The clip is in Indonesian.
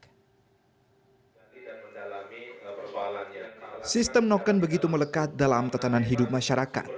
sistem noken begitu melekat dalam tetanan hidup masyarakat